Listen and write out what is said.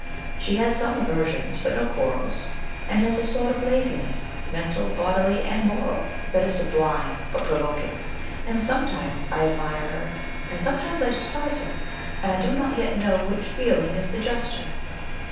She has some aversions, but no quarrels; and has a sort of laziness mental, bodily, and moral that is sublime, but provoking; and sometimes I admire her, and sometimes I despise her; and I do not yet know which feeling is the juster.'